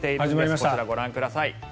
こちら、ご覧ください。